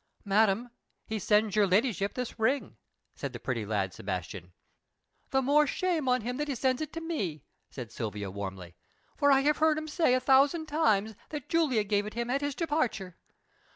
"Madam, he sends your ladyship this ring," said the pretty lad Sebastian. "The more shame for him that he sends it me!" said Silvia warmly. "For I have heard him say a thousand times that Julia gave it him at his departure.